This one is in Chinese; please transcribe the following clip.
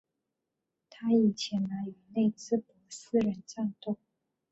他已前来与内兹珀斯人战斗。